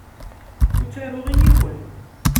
Ur ttaruɣ i yiwen.